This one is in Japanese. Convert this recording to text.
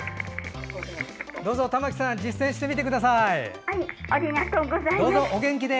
どうぞ、玉置さん実践してみてください。